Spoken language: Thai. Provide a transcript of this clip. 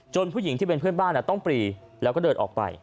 ผู้หญิงที่เป็นเพื่อนบ้านต้องปรีแล้วก็เดินออกไป